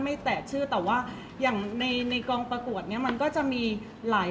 เพราะว่าสิ่งเหล่านี้มันเป็นสิ่งที่ไม่มีพยาน